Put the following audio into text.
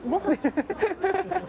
ハハハハ。